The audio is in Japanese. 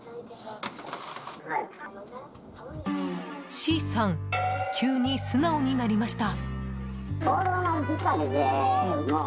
Ｃさん、急に素直になりました。